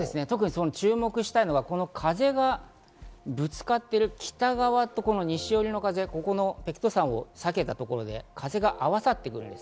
特に注目したいのが風がぶつかっている北側と西寄りの風がぶつかってる、この場所で風が合わさってくるんです。